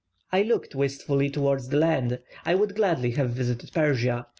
I looked wistfully towards the land, I would gladly have visited Persia.